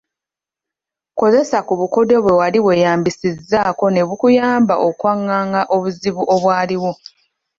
Kozesa ku bukodyo bwe wali weeyambisizzaako ne bukuyamba okwanganga obuzibu obwaliwo.